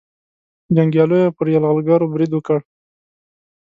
جنګیالیو پر یرغلګرو برید وکړ.